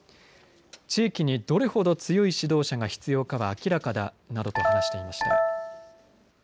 地域にどれほど強い指導者が必要かは明らかだなどと話していました。